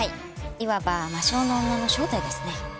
いわば魔性の女の正体ですね。